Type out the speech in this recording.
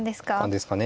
ですかね。